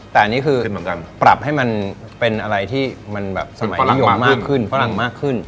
แต่อันนี้คือปรับให้มันเป็นอะไรที่มันแบบฝรั่งมากขึ้น